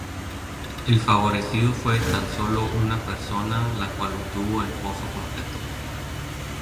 El favorecido fue tan solo una persona, la cual obtuvo el pozo completo.